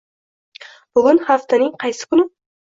Bugun haftaning qaysi kuni?